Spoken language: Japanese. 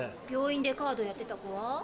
病院でカードやってた子は？